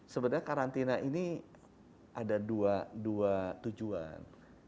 sebenarnya karantina ini ada dua tujuan